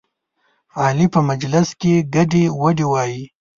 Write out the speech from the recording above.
علي په مجلس کې ګډې وډې وایي.